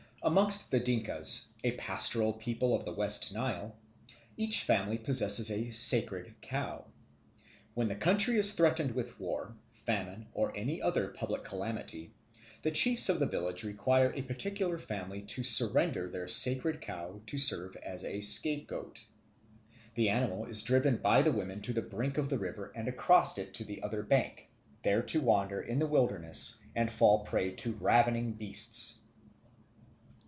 Amongst the Dinkas, a pastoral people of the White Nile, each family possesses a sacred cow. When the country is threatened with war, famine, or any other public calamity, the chiefs of the village require a particular family to surrender their sacred cow to serve as a scapegoat. The animal is driven by the women to the brink of the river and across it to the other bank, there to wander in the wilderness and fall a prey to ravening beasts.